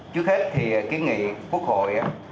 trước hết thì kiến nghị quốc hội